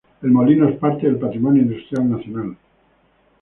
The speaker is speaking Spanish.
El Molino es parte del Patrimonio Industrial Nacional.